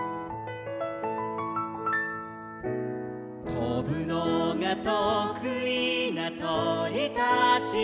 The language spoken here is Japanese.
「とぶのがとくいなとりたちも」